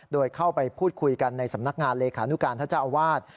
โดยเข้าไปพูดคุยกันในสำนักงานเลขานุการท่านเจ้าอาวาส